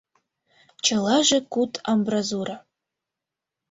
Чылаже куд амбразура.